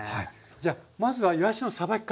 じゃあまずはいわしのさばき方。